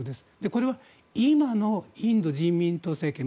これは今のインド人民党政権